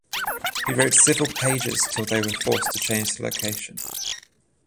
He wrote several pages till they were forced to change the location.